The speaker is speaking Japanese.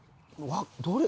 どれ？